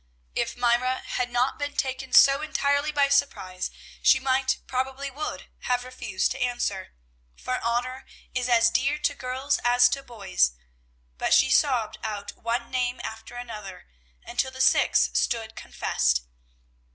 If Myra had not been taken so entirely by surprise, she might, probably would, have refused to answer, for honor is as dear to girls as to boys; but she sobbed out one name after another, until the six stood confessed.